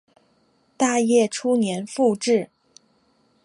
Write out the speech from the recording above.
大业初年复置。